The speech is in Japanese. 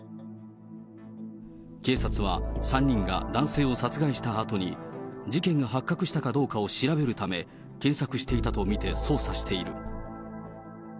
警察は、３人が男性を殺害したあとに、事件が発覚したかどうかを調べるため、検索していたと見て捜査している。